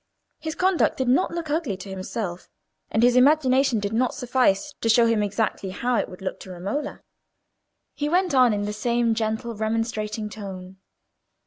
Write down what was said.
His conduct did not look ugly to himself, and his imagination did not suffice to show him exactly how it would look to Romola. He went on in the same gentle, remonstrating tone.